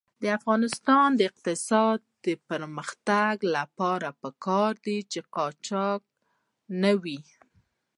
د افغانستان د اقتصادي پرمختګ لپاره پکار ده چې قاچاق نه وي.